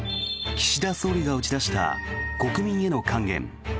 岸田総理が打ち出した国民への還元。